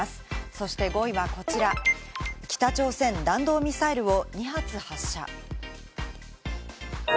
そして５位はこちら、北朝鮮、弾道ミサイルを２発発射。